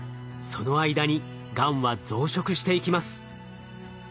その間にがんは増殖していきます。